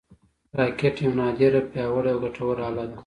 راکټ یوه نادره، پیاوړې او ګټوره اله ده